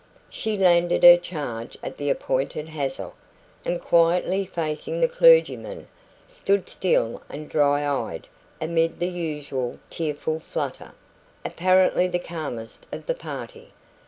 She landed her charge at the appointed hassock, and quietly facing the clergyman, stood still and dry eyed amid the usual tearful flutter, apparently the calmest of the party.